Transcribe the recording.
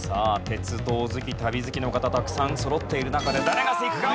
鉄道好き旅好きの方たくさんそろっている中で誰がいくか？